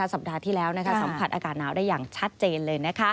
สัปดาห์ที่แล้วสัมผัสอากาศหนาวได้อย่างชัดเจนเลย